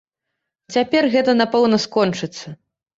Цяпер гэта, напэўна, скончыцца.